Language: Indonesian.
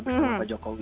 bersama pak jokowi